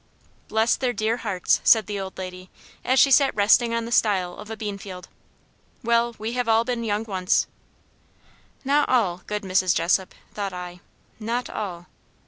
"Bless their dear hearts!" said the old lady, as she sat resting on the stile of a bean field. "Well, we have all been young once." Not all, good Mrs. Jessop, thought I; not all.